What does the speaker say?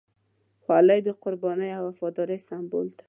خولۍ د قربانۍ او وفادارۍ سمبول ده.